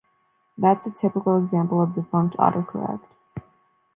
That’s a typical example of defunct autocorrect.